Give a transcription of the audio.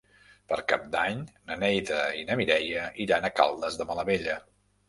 Per Cap d'Any na Neida i na Mireia iran a Caldes de Malavella.